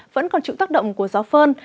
vẫn còn chịu tác động của gió phơn